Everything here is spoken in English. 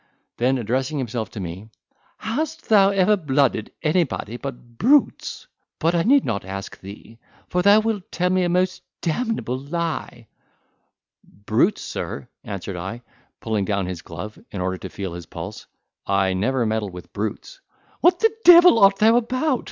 Then, addressing himself to me, "Hast thou ever blooded anybody but brutes? But I need not ask thee, for thou wilt tell me a most d—able lie," "Brutes, sir!" answered I, pulling down his glove, in order to feel his pulse, "I never meddle with brutes." "What the devil art thou about?"